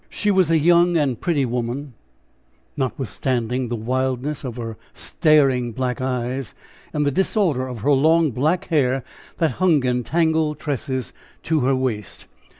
She was a young and pretty woman pretty, notwithstanding the wildness of her staring black eyes and the disorder of her long black hair that hung in tangled tresses to her waist.